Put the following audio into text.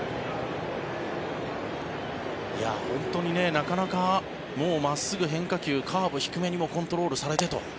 なかなか、もう真っすぐ、変化球カーブ、低めにもコントロールされてと。